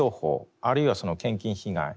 あるいは献金被害